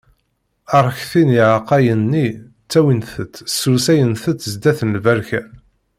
Arekti n yiεeqqayen-nni, ttawint-t srusayent-t sdat n lberka.